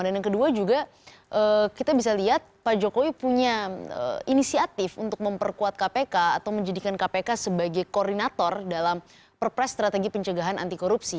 yang kedua juga kita bisa lihat pak jokowi punya inisiatif untuk memperkuat kpk atau menjadikan kpk sebagai koordinator dalam perpres strategi pencegahan anti korupsi